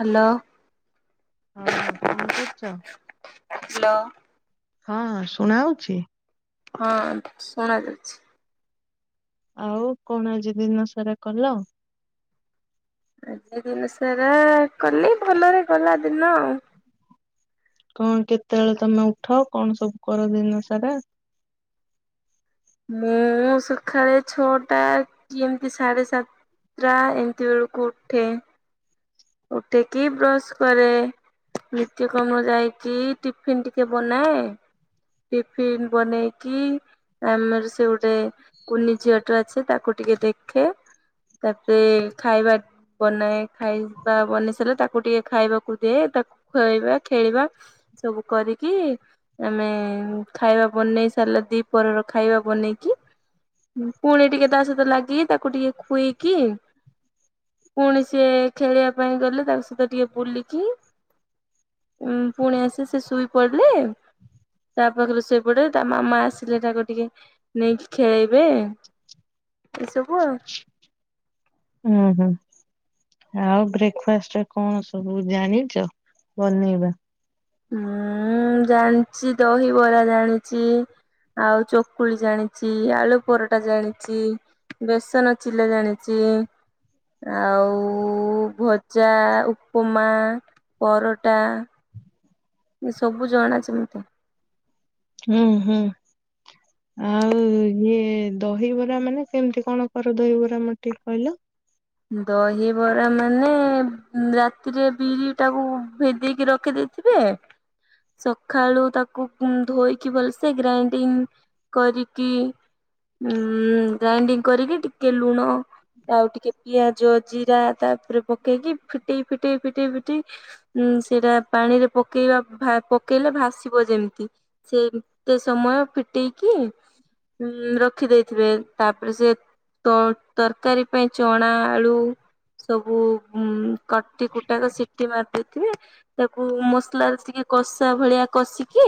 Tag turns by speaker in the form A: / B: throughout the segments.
A: Hello.
B: ହଁ କଣ କରୁଚ?
A: ହ୍ୟାଲୋ। ହଁ ଶୁଣାଯାଉଛି।
B: ଆଉ କଣ ଆଜି ଦିନସାରା କଲ?
A: ଆଜି ଦିନ ସାରା କଲି ଭଲରେ ଗଲା ଦିନ ଆଉ।
B: କଣ କେତେବେଳେ ତମେ ଉଠ କଣ ସବୁ କର ଦିନ ସାରା?
A: ମୁଁ ସଖାଳେ ଛଅଟା କି ଏମିତି ସାଢେ ସାତ ଟା ଏମତି ବଳୁକୁ ଉଠେ। ଉଠିକିି ବ୍ରଶ୍ କରେ। ନିତ୍ୟକ୍ରମ ଯାଇକି ଟିଫିନ ଟିକେ ବନାଏ। ଟିଫିନ ବନେଇକି ଆମର ସେ ଗୋଟେ କୁନି ଝିଅଟେ ଅଛି ତାକୁ ଟିକେ ଦେଖେ। ତାପରେ ଖାଇବା ବନାଏ ଖାଇ ବା ବନି ସାରିଲେ ତାକୁ ଟିକେ ଖାଇବାକୁ ଦିଏ ତାକୁ ଖୁଆଇବା ଖେଳିବା। ସବୁ କରିକି ଆମେ ଖାଇବା ବନେଇ ସାରିଲେ ଦି ପରର ଖାଇବା ବନେଇକି। ପୁଣି ଟିକେ ତା ସହିତ ଲାଗି ତାକୁ ଟିକେ ଖୁଏଇକି। ପୁଣି ସିଏ ଖେଳିବା ପାଇଁ ଗଲେ ତାଙ୍କ ସହିତ ଟିକେ ବୁଲିକି। ଉଁ ପୁଣି ଆସି ସେ ଶୋଇ ପଡ଼ିଲେ। ତା ପାଖରୁ ଶୋଇପଡ଼େ ତା ମାମା ଆସିଲେ ତାକୁ ଟିକେ ନେଇକି ଖେଳେଇବେ। ଏସବୁ ଆଉ।
B: ଉଁ ହୁଁ। ଆଉ ବ୍ରେକ୍ଫାଷ୍ଟରେ କଣ ସବୁ ଜାଣିଚ ବନେଇବା?
A: ମୁଁ ଜାଣିଛି ଦହିବରା ଜାଣିଛି। ଆଉ ଚକୁଳି ଜାଣିଛି ଆଳୁ ପରଟା ଜାଣିଛି। ବେସନ ଚିଲା ଜାଣିଚି। ଆଉ ଭଜା, ଉପମା, ପରଟା। ସବୁ ଜଣା ଅଛି ମତେ।
B: ଉଁ ହୁଁ। ଆଉ ଇଏ ଦହିବରା ମାନେ କେମିତି କଣ କର ଦହିବରା ମା ଟିକେ କହିଲ।
A: ଦହିବରା ମାନେ ରାତିରେ ବିରି ଟାକୁ ଭେଦେଇକି ରଖିଦେ ଥିବେ ସଖାଳୁ ତାକୁ ପୁଂ ଧୋଇକି ଭଲସେ ଗ୍ରାଇଣ୍ଡିଙ୍ଗ କରିକି ଉଁ ଗ୍ରାଇଣ୍ଡିଙ୍ଗ କରିକି ଟିକେ ଲୁଣ। ଆଉ ଟିକେ ପିଆଜ ଜିରା ତାପରେ ପକେଇକି ଫିଟେଇ ଫିଟେଇ ଫିଟେଇ ଫିଟେଇ। ଉଁ ସେରା ପାଣିରେ ପକେଇବା ଭା ପକେଇଲେ ଭାସିବ ଯେମିତି। ସେମ୍ ଏତେ ସମୟ ଫିଟେଇକି। ଉଁ ରଖି ଦେଇଥିବେ ତାପରେ ସେ ତ ତରକାରୀ ପାଇଁ ଚଣା ଆଳୁ ସବୁ ଉଁ କଟି କୁଟାକ ସିଟି ମାରି ଦେଇଥିବେ। ତାକୁ ମସଲାରେ ଟିକେ କଷା ଭଳିଆ କଷିକି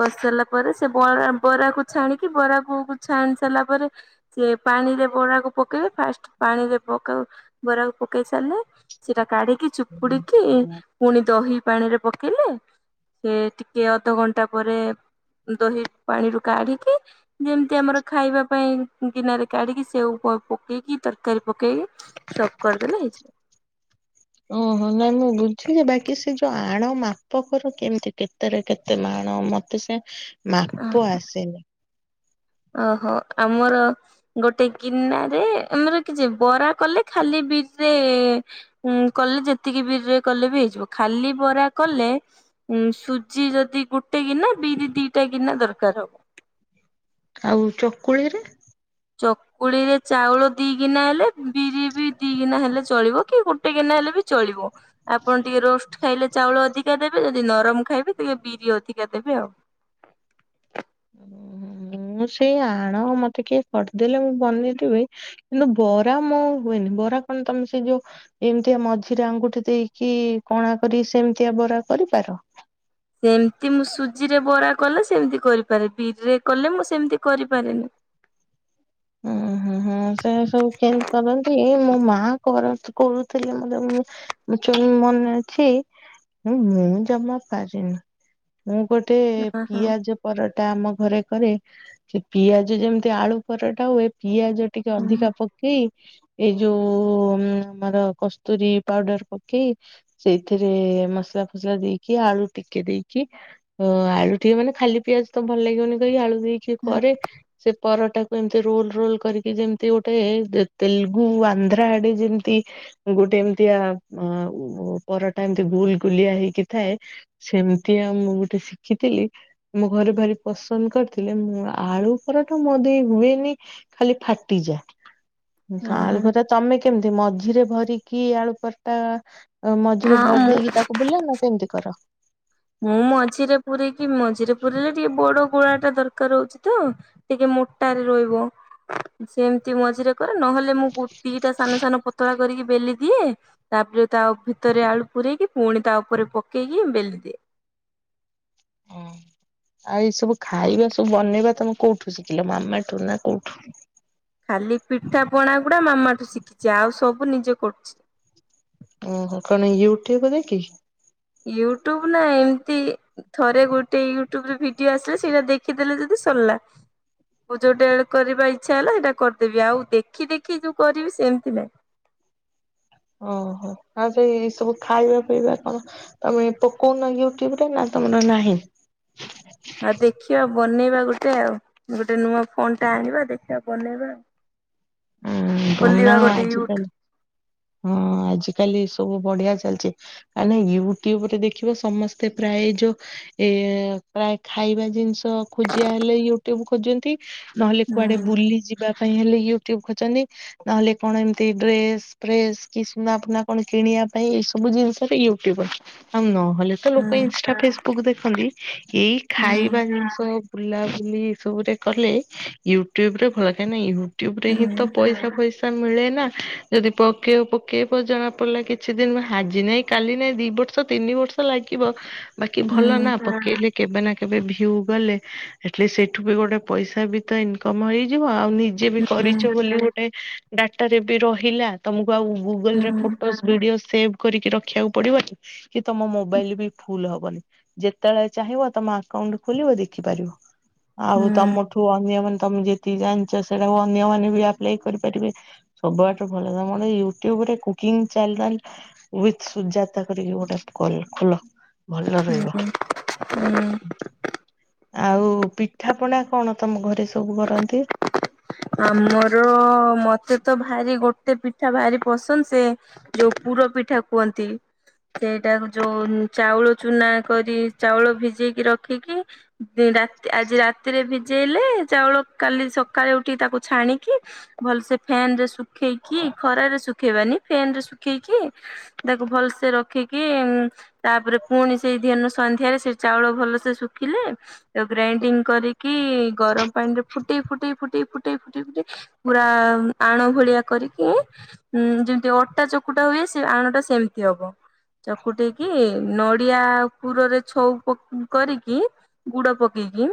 A: କଷି ସାରିଲା ପରେ ସେ ବରା ବରାକୁ ଛାଣିକି ବରା କ ଛାଣି ସାରିଲା ପରେ ସେ ପାଣିରେ ବରାକୁ ପକେଇବେ ଫାଷ୍ଟ ତାହାରେ ପକାଉ ବରାକୁ ପକେଇ ସାରିଲେ ସେଟା କାଢିକି ଚୁପୁଡିକି ପୁଣି ଦହି ପାଣିରେ ପକେଇଲେ ସେ ଟିକେ ଅଧଘଣ୍ଟା ପରେ ଦହି ପାଣିରୁ କାଢିକି ଯେମିତି ଆମର ଖାଇବା ପାଇଁ ଗିନାରେ କାଢିକି ସେଉ ପ ପକେଇକି ତରକାରୀ ପକେଇକି ସବ୍ କରିଦେଲେ ହେଇଯାଏ।
B: ଓହୋ ନାଇ ମୁଁ ବୁଝିଲି ଯେ ବାକି ସେ ଯୋଉ ଆଣ ମାପ କର କେମିତି କେ ତେରେ କେତେ ମାଣ ମତେ ସେ ମାପ
A: ହେଇଯିବ।
B: ଆସେନି।
A: ଓହୋ, ଆମର ଗୋଟେ ଗିନାରେ ମାନେ କିଛି ବରା କଲେ ଖାଲି ବିରିରେ ହୁଁ କଲେ ଯେତିକି ବିରିରେ କଲେ ବି ହେଇଯିବ ଖାଲି ବରା କଲେ ଉଁ ସୁଜି ଯଦି ଗୋଟେ ଗିନା ବିରି ଦିଇଟା ଗିନା ଦରକାର ହବ।
B: ଆଉ ଚକୁଳିରେ?
A: ଚକୁଳି ରେ ଚାଉଳ ଦିଇ ଗିନା ହେଲେ ବିରି ବି ଦି ଗିନା ହେଲେ ଚଳିବ କି ଗୋଟେ ଗିନା ହେଲେ ବି ଚଳିବ। ଆପଣ ଟିକେ ରୋଷ୍ଟ ଖାଇଲେ ଚାଉଳ ଅଧିକା ଦେବେ ଯଦି ନରମ ଖାଇବେ ଟିକେ ବିରି ଅଧିକା ଦେବେ ଆଉ।
B: ଉଁ, ହୁଁ ମୁଁ ସେଇ ଆଣ ମତେ କିଏ କରିଦେଲେ ମୁଁ ବନେଇଦେବି। କିନ୍ତୁ ବରା ମୋ ହୁଏନି ବରା କଣ ତମେ ସେ ଯୋଉ ଏମିତିଆ ମଝିରେ ଆଙ୍ଗୁଠି ଦେଇକି କଣା କରି ସେମିତିଆ ବରା କରିପାର।
A: ସେମତି ମୁଁ ସୁଜି ରେ ବରା କଲେ ସେମିତି କରିପାରେ ବିରିରେ କଲେ ମୁଁ ସେମିତି କରିପାରେନି।
B: ଆହା। ହୁଁ ସେୟା ସବୁ କେମିତି କରନ୍ତି ମୋ ମା କର କହୁଥିଲେ ମୁ ଯେମି ମୁ ଚୂନ୍ ମନେ ଅଛି, ମୁଁ ଜମା ପାରେନି। ମୁଁ ଗୋଟେ
A: ଓହୋ।
B: ପିଆଜ ପରଟା ଆମ ଘରେ କରେ ସେ ପିଆଜ ଯେମିତି ଆଳୁ ପରଟା ହୁଏ ପିଆଜ ଟିକେ ଅଧିକା
A: ହୁଁ
B: ପକେଇ ଏ ଯୋଉ ଆମର କସ୍ତୁରୀ ପାଉଡର ପକେଇ ସେଇଥିରେ ମସଲା ଫସଲା ଦେଇକି ଆଳୁ ଟିକେ ଦେଇକି ଓ ଆଳୁ ଟିକେ ମାନେ ଖାଲି ପିଆଜ ତ ଭଲ ଲାଗିବନି କହିକି ଆଳୁ ଦେଇକି କରେ ସେ ପରଟାକୁ ଏମ ରୋଲ୍ ରୋଲ୍ କରିକି ଯେମିତି ଗୋଟେ ତେ ତେଲୁଗୁ ଆନ୍ଧ୍ରା ଆଡେ ଯେମିତି ଗୋଟେ ଏମିତିଆ ପରଟା ଏମତି ଗୁଲ୍ ଗୁଲିଆ ହେଇକି ଥାଏ। ସେମତିଆ ମୁଁ ଗୋଟେ ଶିଖିଥିଲି। ମୋ ଘରେ ଭାରି ପସନ୍ଦ କରିଥିଲେ ମୁଁ ଆଳୁ ପରଟା ମୋ ଦେଇ ହୁଏନି। ନି ଖାଲି ଫାଟିଯାଏ
A: ଓହୋ ହଁ
B: ଗାଁରେ ଘରେ ତମେ କେମିତି ମଝିରେ ଭରିକି ଆଳୁପରଟା ମଝିରେ ଭରି
A: ମୁଁ
B: ଦେଇକି ତା କୁ ବୁଲ ନା କେମିତି କର?
A: ମୁଁ ମଝିରେ ପୁରେଇକିି ମଝିରେ ପୁରେଇଲେ ଟିକେ ବଡ ଗୋଳା ଟା ଦରକାର ହଉଛି ତ। ଟିକେ ମୋଟାରେ ରହିବ। ସେମିତି ମଝିରେ କରେ ନହେଲେ ମୁଁ ଗୋଟି ଦିଇଟା ସାନ ସାନ ପତଳା କରିକି ବେଲି ଦିଏ। ତାପରେ ତା ଭିତରେ ଆଳୁ ପୂରେଇକି ପୁଣି ତା ଉପରେ ପକେଇକି ବେଲି ଦିଏ।
B: ଉଁ ଆଉ ଏଇ ସବୁ ଖାଇବା ସବୁ ବନେଇବା ତମେ କୋଉଠୁ ଶିଖିଲ ମାମାଠୁ ନା କୋଉଠୁ?
A: ଖାଲି ପିଠା ପଣା ଗୁଡା ମାମା ଠୁ ଶିଖିଛି ଆଉ ସବୁ ନିଜେ କରୁଛି।
B: ଓହୋ କଣ ୟୁଟ୍ୟୁବ ଦେଖିକିି?
A: ୟୁଟ୍ୟୁବ ନାଇଁ ଏମିତି ଥରେ ଗୋଟେ ୟୁ ଟୁବରେ ଭିଡିଓ ଆସିଲା ସେଇଟା ଦେଖିଦେଲେ ଯଦି ସରିଲା। ମୁ ଯୋଉଟା ଏଣୁ କରିବା ଇଚ୍ଛା ହେଲା ହେଇଟା କରିଦେବି ଆଉ ଦେଖି ଦେଖି ଯୋଉ କରିବି ସେମତି ନାଇଁ।
B: ଓହୋ ଆଉ ସେଇ ଏସବୁ ଖାଇବା ପିଇବା କଣ? ତମେ ପକଉନ ୟ୍ୟୁଟ୍ୟୁବରେ ନା ତମର ନାହିଁ?
A: ଆଉ ଦେଖିବା ବନେଇବା ଗୋଟେ ଆଉ, ଗୋଟେ ନୂଆ ଫୋନ୍ ଟା ଆଣିବା ଦେଖିବା ବନେଇବା।
B: ଉଁ
A: ଖୋଲିବା
B: ବନାଅ
A: ଗୋଟେ ୟୁଟ
B: ଆଜିକାଲି ହଁ ଆଜ କାଲି ସବୁ ବଢିଆ ଚାଲିଚି। ଆଲୋ ୟୁଟ୍ୟୁବରେ ଦେଖିବ ସମସ୍ତେ ପ୍ରାୟ ଏ ଯୋ ଏ ପ୍ରାୟ ଖାଇବା ଜିନିଷ ଖୋଜିଆ ହେଲେ ୟୁଟ୍ୟୁବ ଖୋଜନ୍ତି। ନହେଲେ
A: ହୁଁ
B: କୁଆଡେ ବୁଲି ଯିବା ପାଇଁ ହେଲେ ୟୁଟ୍ୟୁବ ଖୋଜନ୍ତି। ନହେଲେ କଣ ଏମିତି ଡ୍ରେସ ଫ୍ରେସ କି ସୁନା ଫୁନା କଣ କିଣିଆ ପାଇଁ ଏଇ ସବୁ ଜିନିଷରେ ୟୁଟ୍ୟୁବର। ଆଉ ନହେଲେ ତ
A: ହୁଁ
B: ଲୋକ ଇନଷ୍ଟା ଫେସ ବୁକ ଦେଖନ୍ତି ଏଇ
A: ହୁଁ
B: ଖାଇବା ଜିନିଷ ବୁଲାବୁଲି ଏ ସବୁରେ କଲେ ୟୁଟ୍ୟୁବରେ ଭଲ କାଇଁନା ୟୁଟ୍ୟୁବରେ
A: ହୁଁ
B: ହିଁ ତ ପଇସା ଫଇସା ମିଳେ ନା ଯଦି ପକେଇବ ପକେଇବ ଜଣା ପଡ଼ିଲା କିଛି ଦିନ ହାଜି ନାହିଁ କାଲି ନାଇଁ ଦି ବର୍ଷ ତିନି ବର୍ଷ ଲାଗିବ ବାକି
A: ହୁଁ
B: ଭଲ ନା ପକେଇଲେ କେବେ ନା କେବେ ଭିଉ ଗଲେ ଆଲିଷ୍ଟ ସେଇଠୁ ବି ଗୋଟେ ପଇସା ବି ତ ଇନକମ ହେଇଯିବ। ଆଉ ନି ଜେ ବି
A: ହୁଁ
B: କରିଚ ବୋଲି ଗୋଟେ ଡାଟାରେ ବି ରହିଲା। ତମକୁ ଆଉ ଗୁଗୁଲ
A: ହୁଁ
B: ରେ ଫୋଟୋସ୍ ଭିଡିଓ ସେଭ କରିକି ରଖିଆକୁ ପଡିବନି। କି ତମ ମୋବାଇଲ ବି ଫୁଲ ହବନି। ଯେତେବେଳେ ଚାହିଁବ ତମ ଆକାଉଣ୍ଟ ଖୋଲିବ ଦେଖିପାରିବ। ଆଉ
A: ହୁଁ
B: ତମଠୁ ଅନ୍ୟମାନେ ତମେ ଯେତିକି ଜାଣିଚ ସେଇଟାକୁ ଅନ୍ୟମାନେ ଆପ୍ଲେୟ କରିପାରିବେ ସବୁଆଡୁ ଭଲ କାମ ହେଲା ୟୁଟ୍ୟୁବରେ କୁକିଂ ଚାନେଲ ଉଇଥ ସୁଜାତା କରିକି ଗୋଟେ କଲ ଖୋଲ ଭଲ
A: ହୁଁ
B: ରହିବ।
A: ହୁଁ
B: ଆଉ ପିଠା ପଣା କଣ ତମ ଘରେ ସବୁ କରନ୍ତି?
A: ଆମର ମତେ ତ ଭାରି ଗୋଟେ ପିଠା ଭାରି ପସନ୍ଦ ସେ ଯୋଉ ପୁର ପିଠା କୁହନ୍ତି। ସେଇଟାକୁ ଯୋଉ ଚାଉଳ ଚୁନା କରି ଚାଉଳ ଭିଜେଇକି ରଖିକି ଦି ରାତି ଆଜି ରାତିରେ ଭିଜେଇଲେ ଚାଉଳ କାଲି ସକାଳେ ଉ ତାକୁ ଛାଣିକି ଭଲସେ ଫ୍ୟାନ ରେ ଶୁଖେଇକି ଖରାରେ ଶୁଖେଇବାନି ଫ୍ୟାନ ରେ ଶୁ ରଖିକି ତାକୁ ଭଲସେ ରଖି କି ତାପରେ ପୁଣି ସେଇ ଦିହନ ସନ୍ଧ୍ୟାରେ ସେଇ ଚାଉଳ ଭଲସେ ଶୁଖିଲେ ଗ୍ରାଇଣ୍ଡିଙ୍ଗ କରିକି ଗରମ ପାଣିରେ ଫୁଟେଇ ଫୁଟେଇ ଫୁଟେଇ ଫୁଟେଇ ଫୁଟେଇ ଫୁଟେଇ ପୁରା ଆଣ ଭଳିଆ କରିକି ଉଁ ଯେମିତି ଅଟା ଚକୁଟା ହୁଏ ସେ ଆଣଟା ସେମିତି ହବ। ଚକୁଟେଇକି ନଡିଆ ପୁରରେ ଛଉ ପ କରିକି ଗୁଡ ପକେଇକି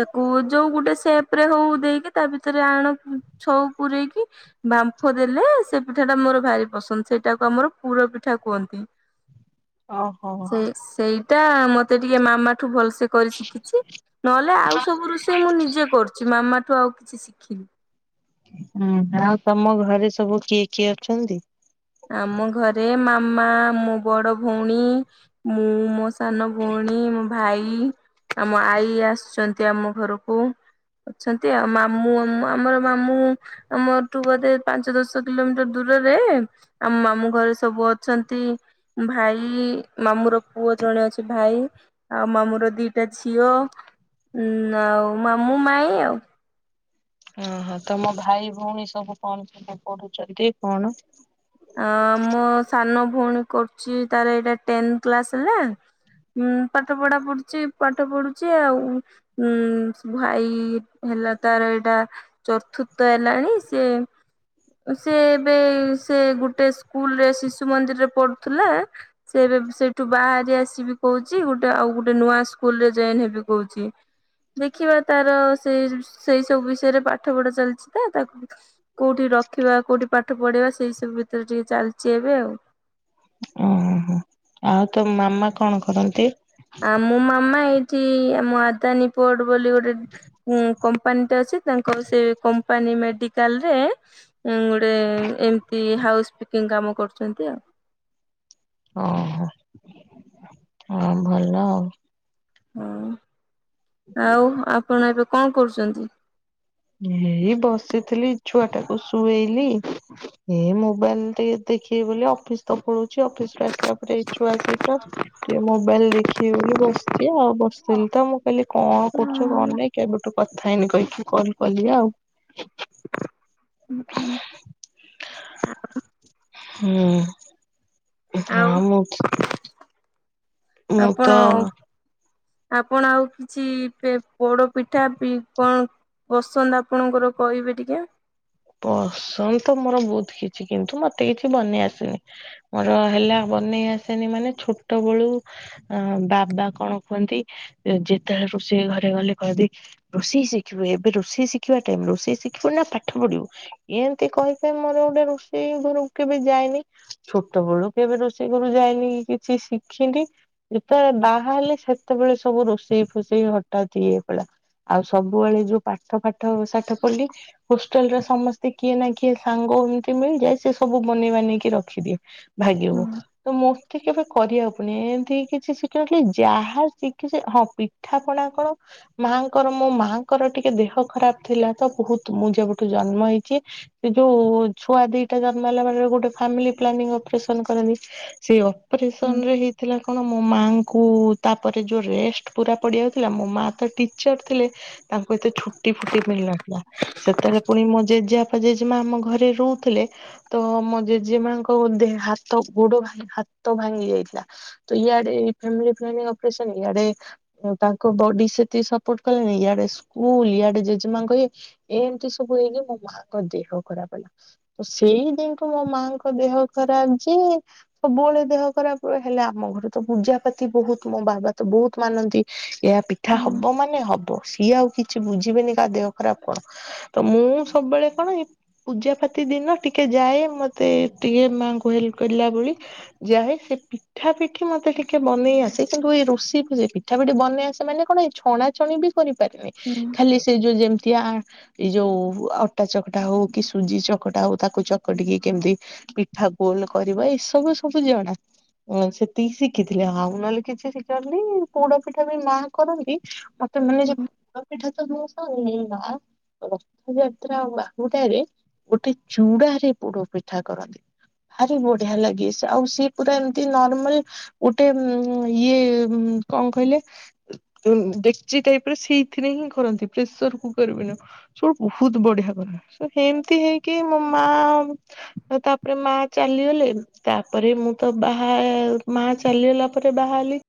A: ତାକୁ ଯୋଉ ଗୋଟେ ସେପ ରେ ହଉ ଦେଇକି ତା ଭିତରେ ଆଣ ଛଉ ପୂରେଇକି ବାମ୍ଫ ଦେଲେ ସେ ପିଠା ଟା ମୋର ଭାରି ପସନ୍ଦ, ସେଇଟାକୁ ଆମର ପୁର ପିଠା କୁହନ୍ତି।
B: ଓହୋ।
A: ସେ ସେଇଟା ମତେ ଟିକେ ମାମା ଠୁ ଭଲସେ ତେ କରି ଶିଖିଚି, ନହେଲେ ଆଉ ସବୁ ରୋଷେଇ ମୁଁ ନିଜେ କରୁଚି, ମାମାଠୁ ଆଉ କିଛି ଶିଖିନି।
B: ହୁଁ ଆଉ ତମ ଘରେ ସବୁ କିଏ କିଏ ଅଛନ୍ତି?
A: ଆମ ଘରେ ମାମା, ମୋ ବଡ ଭଉଣୀ, ମୁଁ, ମୋ ସାନ ଭଉଣୀ, ମୋ ଭାଇ, ଆମ ଆଈ ଆସିଚନ୍ତି ଆମ ଘରକୁ। ଅଛନ୍ତି ଆଉ, ମାମୁଁ ଆମ ଆମର ମାମୁଁ ଆମ ଘରଠୁ ବୋଧେ ପାଞ୍ଚ ଦଶ କିଲୋମିଟର ଦୂରରେ ଆମ ମାମୁଁ ଘରେ ସବୁ ଅଛନ୍ତି। ଭାଇ ମାମୁଁ ର ପୁଅ ଜଣେ ଅଛି ଭାଇ ଆଉ ମାମୁଁ ର ଦିଟା ଝିଅ ଉ ଆଉ ମାମୁଁ ମାଇଁ ଆଉ।
B: ଓହୋ ତମ ଭାଇ ଭଉଣୀ ସବୁ କଣ ସବୁ ପଢୁଚନ୍ତି କଣ?
A: ଅ ଆମ ସାନ ଭଉଣୀ କରୁଚି ତାର ଏଇଟା ଟେନତ୍ କ୍ଲାସ ହେଲା। ହୁଁ ପାଠପଢା ପଢୁଚି ପାଠ ପଢୁଚି ଆଉ ଉ ଭାଇ ହେଲା ତାର ଏଇଟା ଚତୁର୍ଥ ହେଲାଣି ସେ ସେ ଏବେ ସେ ଗୁଟେ ସ୍କୁଲରେ ଶିଶୁ ମନ୍ଦିରରେ ପଢୁଥିଲା, ସେ ଏବେ ସେଇଠୁ ବାହାରି ଆସିବି କଉଚି, ଗୁଟେ ଆଉଗୁଟେ ନୂଆ ସ୍କୁଲରେ ଜଏନ ହେବି କଉଚି। ଦେଖିବା ତାର ସେ ସେଇ ସବୁ ବିଷୟରେ ପାଠ ପଢା ଚାଲିଚି ତ ତାକୁ କୋଉଠି ରଖିବା କୋଉଠି ପାଠ ପଢେଇବା? ସେଇ ସବୁ ଭିତରେ ଟିକେ ଚାଲିଚି ଏବେ ଆଉ।
B: ଓହୋ ଆଉ ତମ ମାମା କଣ କରନ୍ତି?
A: ଆମ ମାମା ଏଇଠି ଆମ ଆଦାନୀପୋଟ ବୋଲି ଗୋଟେ ଉଁ କମ୍ପାନୀଟେ ଅଛି ତାଙ୍କର ସେ କମ୍ପାନୀ ମେଡିକାଲ ରେ ଉ ଗୋଟେ ଏମିତି ହାଉସ୍ ପିକିଂ କାମ କରୁଚନ୍ତି ଆଉ।
B: ଓହୋ ହଁ ଭଲ ଆଉ।
A: ହୁଁ। ଆଉ ଆପଣ ଏବେ କଣ କରୁଚନ୍ତି?
B: ଏଇ ବସିଥିଲି ଛୁଆ ଟାକୁ ଶୁଏଇଲି। ଏ ମୋବାଇଲ ଟିକେ ଦେଖିବି ବୋଲି ଅଫିସ ତ ପଳଉଚି। ଅଫିସ ରୁ ଆସିଲା ପରେ ଏଇ ଛୁଆ ସଇତ ଟିକେ ମୋବାଇଲ ଦେଖିକି ବୋଲି ବସ ଚି ଆଉ ବସିଥିଲି ତ ମୁଁ କହିଁଲି କଣ କରୁଚ କଣ ନାଇଁ କେବେଠୁ କଥା ହେଇନି କହିକି କଲ କଲି ଆଉ।
A: ହୁଁ ହୁଁ।
B: ହୁଁ। ଏ
A: ଆଉ
B: ଆମଉଛି
A: ଆପଣ ଆପଣ ଆଉ କିଛି ପ ପୋଡ ପିଠା ପି କଣ ପସନ୍ଦ ଆପଣଙ୍କର କହିବେ ଟିକେ।
B: ପସନ୍ଦ ତ ମୋର ବହୁତ କିଛି କିନ୍ତୁ ମତେ କିଛି ବନେଇ ଆସିନି। ମୋର ହେଲା ବନେଇ ଆସେନି ମାନେ ଛୋଟ ବେଳୁ ଅ ବାବା କଣ କୁହନ୍ତି ଯେତେବେଳେ ରୋଷେଇ ଘରେ ଗଲେ କହନ୍ତି ରୋଷେଇ ଶିଖିବୁ? ଏବେ ରୋଷେଇ ଶିଖିବା ଟାଇମ? ରୋଷେଇ ଶିଖିବୁ ନା ପାଠ ପଢିବୁ? ଏମତି କହିି କହି ମୋର ଗୋଟେ ରୋଷେଇ ଘରକୁ କେବେ ଯାଇନି। ଛୋଟ ବେଳୁ କେବେ ରୋଷେଇ ଘରକୁ କେବେ ଯାଇନି କି କିଛି ଶିଖିନି। ଯେତେବେଳେ ବାହା ହେଲେ ସେତେବେଳେ ସବୁ ରୋଷେଇ ଫୋଷେଇ ହଠାତ୍ ଇଏ ପ ଆଉ ସବୁବେଳେ ଯୋଉ ପାଠ ଫାଠ ପଢ଼ିଲି ହୋଷ୍ଟେଲ ର ସମସ୍ତେ କିଏ ନା କିଏ ସାଙ୍ଗ ଏମିତି ମିଳିଯାଏ ସେ ସବୁ ବନେଇ ବାନେଇକି ରଖିଦିଏ। ଭାଗ୍ୟକୁ
A: ହୁଁ
B: ତ ମୋତେ କେବେ କରିବାକୁ ପଡ଼ନି ଏମିତି କିଛି ଶିଖିନଥିଲି ଯାହା ଶିଖିଚି ହଁ ପି ପିଠା ପଣା କଣ ମାଆଙ୍କର ମୋ ମାଆଙ୍କର ଟିକେ ଦେହ ଖରାପ ଥିଲା ତ ବହୁତ ମୁଁ ଯେବଠୁ ଜନ୍ମ ହେଇଚି। ସେ ଯୋଉ ଛୁଆ ଦିଟା ଜନ୍ମ ହେଲା ପରେ ଗୋଟେ ଫାମିଲି ପ୍ଲାନିଂ ଅପରେସନ କରନ୍ତି। ସେଇ
A: ହୁଁ
B: ଅପରେସନ ରେ ହିଁ ଥିଲା କଣ ମୋ ମାଆଙ୍କୁ ତାପରେ ଯଉଁ ରେଷ୍ଟ ପୁରା ପଡ଼ିଯାଉଥିଲା ମୋ ମାଆ ତ ଟିଚର୍ ଥିଲେ। ତାଙ୍କୁ ଏତେ ଛୁଟି ଫୁଟି ମିଳିନଥିଲା ସେତେବେଳେ ପୁଣି ମୋ ଜେଜେବାପା ଜେଜେମା ଆମ ଘରେ ରହୁଥିଲେ ତ ମୋ ଜେଜେ ମାଙ୍କ ଦେ ହାତ ଗୋଡ ଭା ହାତ ଭାଙ୍ଗି ଯାଇଥିଲା। ତ ଇଆଡେ ଫ୍ୟାମିଲି ପ୍ଲାନିଂ ଅପରେସନ୍ ଇଆଡେ ତାଙ୍କ ବଡି ସେତିକି ସପୋର୍ଟ କଲାନି ଇଆଡେ ସ୍କୁଲ ଇଆଡେ ଜେଜେମାଆଙ୍କ ଇଏ ଏମିତି ସବୁ ହେଇକି ମୋ ମାଙ୍କ ଦେହ ଖରାପ ହେଲା। ତ ସେଇ ଦିନଠୁ ମୋ ମାଙ୍କ ଦେହ ଖରାପ ଯେ ସବୁବେଳେ ଦେହ ଖରାପ ହେଲା ଆମ ଘରେ ତ ପୂଜାପାତି ବହୁତ ମୋ ବାବା ତ ବହୁତ ମାନନ୍ତି ଏହା ପିଠା
A: ହୁଁ
B: ହବ ମାନେ ହବ ସିଏ ଆଉ କିଛି ବୁଝିବେନି କାହା ଦେହ ଖରାପ କଣ। ତ ମୁଁ ସବୁବେଳେ କହେ ପୂଜାପାତି ଦିନ ଟିକେ ଯାଏ ମୋତେ ଟିକେ ମାଆଙ୍କୁ ହେଲ୍ପ କରିଲା ଭଳି ଯାଏ ସେ ପିଠା ପିଠି ମତେ ଟିକେ ବନେଇ ଆସେ କିନ୍ତୁ ଏଇ ରୋଷିକୁ [unintelligible] ପିଠାପଠି ବନେଇ ଆସେ ମାନେ କଣ ଏ ଛଣାଛଣି ବି କରିପାରେନି
A: ହୁଁ
B: ଖାଲି ସେ ଯୋଉ ଯେମିତିଆ ଏଇ ଯୋଉ ଅଟା ଚକଟା ହଉ କି ସୁଜି ଚକଟା ହଉ ତାକୁ ଚକଟିକି କେମିତି ପିଠା ଗୋଲ କରିବା ଏସବୁ ସବୁ ଜଣା। ହ ସେତିକି ଶିଖିଥିଲି ଆଉ ନହେଲେ କିଛି ଶିଖିନଥିଲି ପୋଡ ପିଠା ବି ମାଁ କରନ୍ତି ତ ମାନେ
A: ହୁଁ।
B: ଯୋଉ ପୋଡପିଠା [unintelligible] ରଥଯାତ୍ରା ଆଉ ବାହୁଡାରେ ଗୋଟେ ଚୁଡାରେ ପୋଡ ପିଠା କରନ୍ତି। ଭାରି ବଢିଆ ଲାଗେ ସିଏ ଆଉ ସିଏ ପୁରା ଏମିତି ନର୍ମାଲ ଗୋଟେ ଉଁ ଇଏ କଣ କହିଲେ ଉଁ ଡେକ୍ଚି ଟାଇପ ରେ ସେଇଥିରେ ହିଁ କରନ୍ତି ପ୍ରେସର କୁକର ବି ନୁହ ବହୁତ ବଢିଆ କରନ୍ତି ସେମିତି ହେଇକି ମୋ ମା ଆଉ ତାପରେ ମା ଚାଲିଗଲେ ତାପରେ ମୁଁ ତ ବାହା ମା ଚାଲିଗଲା ପରେ ବାହା ହେଲି